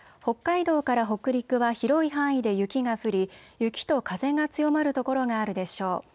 北海道から北陸は広い範囲で雪が降り雪と風が強まる所があるでしょう。